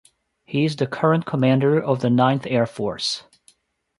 He is the current commander of the Ninth Air Force.